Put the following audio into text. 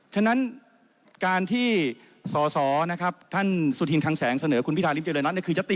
ฉะนั้นการที่สสท่านสุธินคังแสงเสนอคุณพิทาริมเจริรัติคือยัตติ